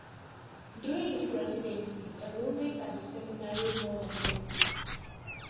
During his presidency, enrollment at the seminary more than doubled.